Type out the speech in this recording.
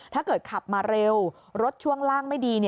ถ้าเกิดขับมาเร็วรถช่วงล่างไม่ดี